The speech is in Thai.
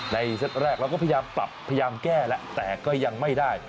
เซตแรกเราก็พยายามปรับพยายามแก้แล้วแต่ก็ยังไม่ได้